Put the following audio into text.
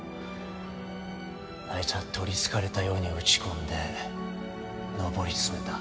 あいつは取りつかれたように打ち込んで上り詰めた。